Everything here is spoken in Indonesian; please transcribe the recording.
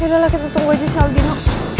ya udah kita tunggu aja selgino